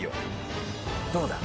どうだ？